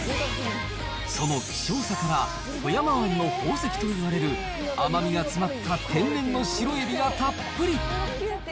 その希少さから、富山湾の宝石といわれる甘みが詰まった天然の白えびがたっぷり。